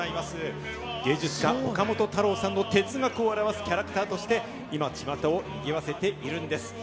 芸術家・岡本太郎さんの哲学を表すキャラクターとして今ちまたをにぎわせているんです。